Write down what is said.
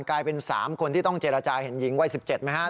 กลายเป็น๓คนที่ต้องเจรจาเห็นหญิงวัย๑๗ไหมครับ